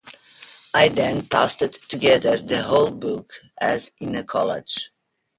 I then pasted together the whole book, as in a collage.